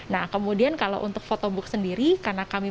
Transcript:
nah kemudian kalau untuk photobook sendiri